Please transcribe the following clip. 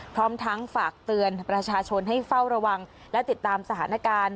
พร้อมทั้งฝากเตือนประชาชนให้เฝ้าระวังและติดตามสถานการณ์